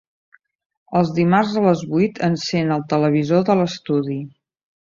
Els dimarts a les vuit encèn el televisor de l'estudi.